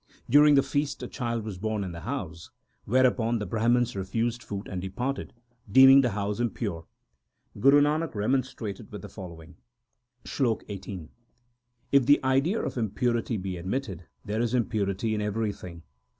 During the feast a child was born in the house, whereupon the Brahmans refused food and departed, deeming the house impure. Guru Nanak remonstrated with the following : SLOK XVIII If the idea of impurity be admitted, there is impurity in everything.